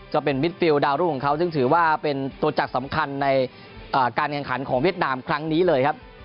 มิดฟิลดาวรุ่งของเขาซึ่งถือว่าเป็นตัวจักรสำคัญในการแข่งขันของเวียดนามครั้งนี้เลยครับ